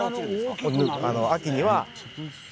秋には？